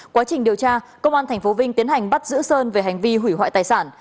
quá trình điều tra công an tp vinh tiến hành bắt giữ sơn về hành vi hủy hoại tài sản